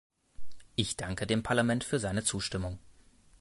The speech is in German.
Ich danke dem Parlament für seine Zustimmung.